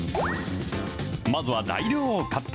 まずは材料をカット。